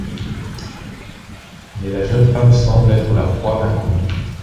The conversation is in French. Mais la jeune femme semble être la proie d'inconnus.